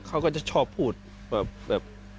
เขาก็จะชอบพูดแบบ